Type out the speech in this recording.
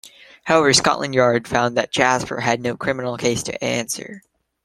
However, Scotland Yard found that Jasper had "no criminal case to answer".